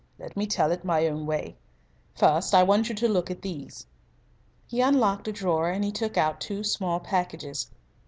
Let me tell it my own way. First I want you to look at these." He unlocked a drawer and he took out two small packages.